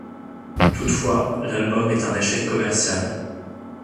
Toutefois, l'album est un échec commercial.